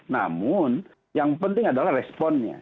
namun yang penting adalah responnya